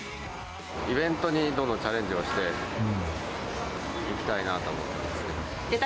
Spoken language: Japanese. イベントにどんどんチャレンジをしていきたいなと思ってますけど。